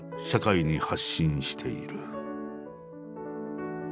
社会に発信している。